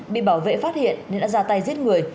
bị bảo vệ phát hiện nên đã ra tay giết người